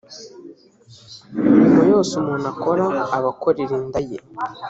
imirimo yose umuntu akora aba akorera inda ye